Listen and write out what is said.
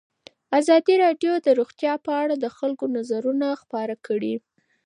ازادي راډیو د روغتیا په اړه د خلکو نظرونه خپاره کړي.